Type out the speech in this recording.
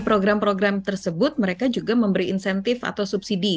program program tersebut mereka juga memberi insentif atau subsidi